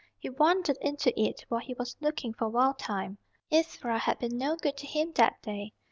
He wandered into it while he was looking for Wild Thyme. Ivra had been no good to him that day.